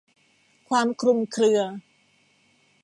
ความคลุมเครือ